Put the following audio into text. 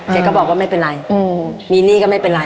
แกก็บอกว่าไม่เป็นไรมีหนี้ก็ไม่เป็นไร